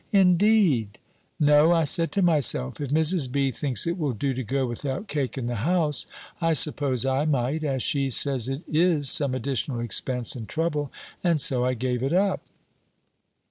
"Indeed?" "No. I said to myself, If Mrs. B. thinks it will do to go without cake in the house, I suppose I might, as she says it is some additional expense and trouble; and so I gave it up."